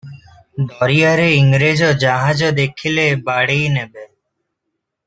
ଦରିଆରେ ଇଂରେଜ ଜାହାଜ ଦେଖିଲେ ବାଡ଼େଇ ନେବେ ।